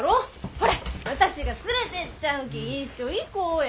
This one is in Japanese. ほら私が連れてっちゃるき一緒行こうや。